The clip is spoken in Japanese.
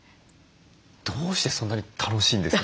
どうしてそんなに楽しいんですか？